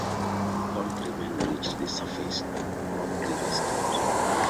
All three men reached the surface and were promptly rescued.